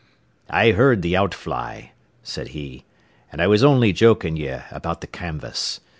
"I heard the outfly," said he, "and I was only joking ye about the canvas.